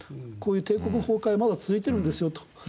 こういう帝国崩壊はまだ続いてるんですよと。